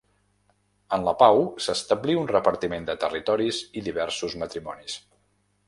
En la pau s'establí un repartiment de territoris i diversos matrimonis.